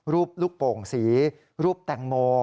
รูปลูกโป่งสีรูปแตงโม